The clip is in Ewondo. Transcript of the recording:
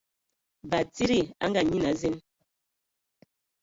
Batsidi a Ngaanyian a zen.